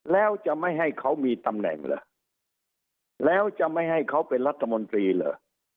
แล้วจะไม่ให้เขามีตำแหน่งเหรอแล้วจะไม่ให้เขาเป็นรัฐมนตรีเหรอ